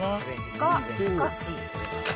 がしかし。